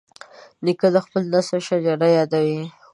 نیکه د خپل نسل شجره یادوي.